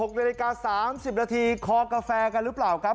๖นาฬิกา๓๐นาทีคอกาแฟกันหรือเปล่าครับ